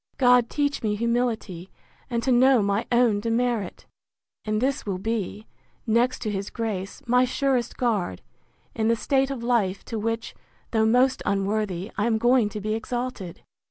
—God teach me humility, and to know my own demerit! And this will be, next to his grace, my surest guard, in the state of life to which, though most unworthy, I am going to be exalted.